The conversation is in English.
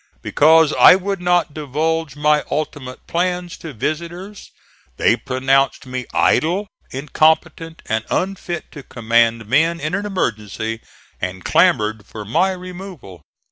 Because I would not divulge my ultimate plans to visitors, they pronounced me idle, incompetent and unfit to command men in an emergency, and clamored for my removal.